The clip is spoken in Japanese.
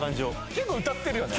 結構歌ってるよね？